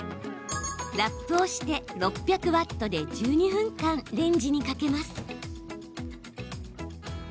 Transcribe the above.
ラップをして６００ワットで１２分間レンジにかけます。